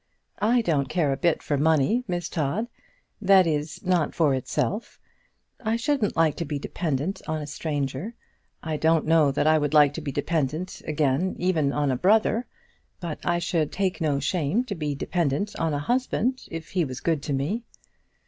I don't care a bit for money, Miss Todd; that is, not for itself. I shouldn't like to be dependent on a stranger; I don't know that I would like to be dependent again even on a brother; but I should take no shame to be dependent on a husband if he was good to me."